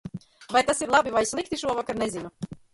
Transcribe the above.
Vai tas ir labi vai slikti šovakar nezinu.